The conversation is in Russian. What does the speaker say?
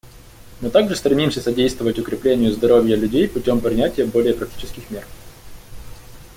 Мы также стремимся содействовать укреплению здоровья людей путем принятия более практических мер.